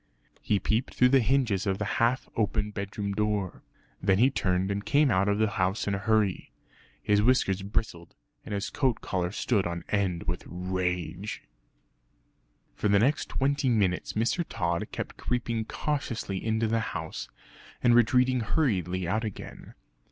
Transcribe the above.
He peeped through the hinges of the half open bedroom door. Then he turned and came out of the house in a hurry. His whiskers bristled and his coat collar stood on end with rage. For the next twenty minutes Mr. Tod kept creeping cautiously into the house, and retreating hurriedly out again.